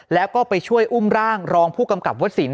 แล้วก็ไปช่วยอุ้มร่างรองผู้กำกับวัสสิน